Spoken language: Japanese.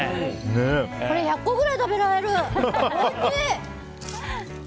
これ、１００個くらい食べられる！